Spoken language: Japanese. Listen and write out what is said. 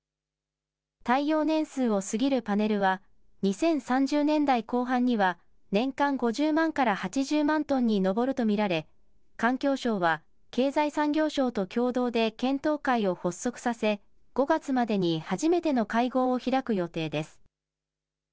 耐用年数を過ぎるパネルは２０３０年代後半には年間５０万から８０万トンに上ると見られ環境省は経済産業省と共同で検討会を発足させ５月までに初めての会合を開く予定です。